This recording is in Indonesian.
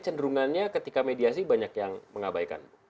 cenderungannya ketika mediasi banyak yang mengabaikan